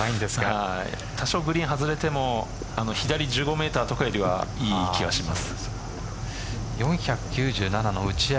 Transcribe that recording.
多少グリーン外れても左１５メーターとかよりはいい気がします。